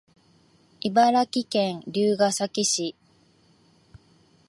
茨城県龍ケ崎市